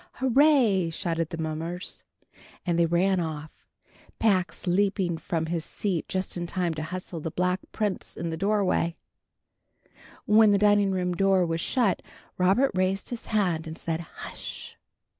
"Hurray!" shouted the mummers, and they ran off, Pax leaping from his seat just in time to hustle the Black Prince in the doorway. When the dining room door was shut, Robert raised his hand, and said "Hush!"